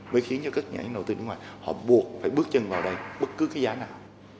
mới khiến cho các nhà đầu tư nước ngoài họ buộc phải bước chân vào đây bất cứ cái giá nào